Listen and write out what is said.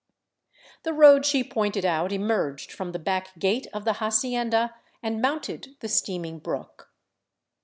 The road she pointed out emerged from the back gate of the ha cienda and mounted the steaming brook.